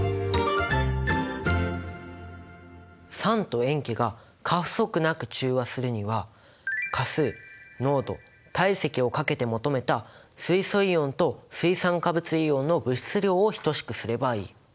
酸と塩基が過不足なく中和するには価数濃度体積を掛けて求めた水素イオンと水酸化物イオンの物質量を等しくすればいい。